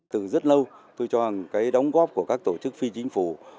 từ rất lâu tôi cho rằng cái đóng góp của các tổ chức phi chính phủ